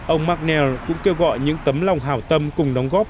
ông mcnair cũng kêu gọi những tấm lòng hào tâm cùng đóng góp